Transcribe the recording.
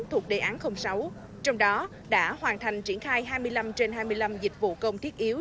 thuộc đề án sáu trong đó đã hoàn thành triển khai hai mươi năm trên hai mươi năm dịch vụ công thiết yếu